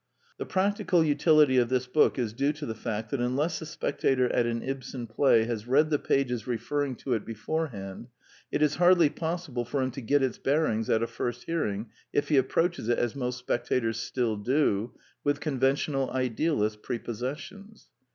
The practical utility of this book is due to the fact that unless the spectator at an Ibsen play has read the pages referring to it beforehand, it is hardly possible for him to get its bearings at a first hearing if he approaches it, as most spectators still do, with conventional idealist prepossessions.